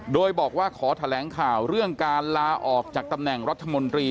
โดยบอกว่าขอแถลงข่าวเรื่องการลาออกจากตำแหน่งรัฐมนตรี